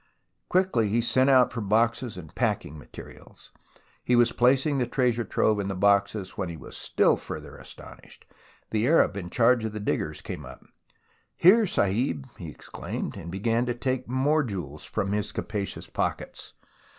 Quickly he sent out for boxes and packing materials, and he was placing the treasure trove in the boxes, when he was still further astonished. The Arab in charge of the diggers came up. " Here, Sahib !" he exclaimed, and began to take more jewels from his capacious pockets.